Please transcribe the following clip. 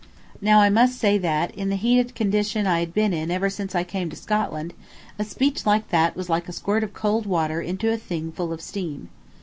Now I must say that, in the heated condition I had been in ever since I came into Scotland, a speech like that was like a squirt of cold water into a thing full of steam.